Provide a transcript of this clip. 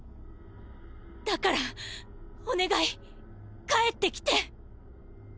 だからお願い帰ってきて。